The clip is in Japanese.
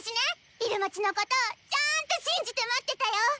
入間ちのことちゃんと信じて待ってたよ！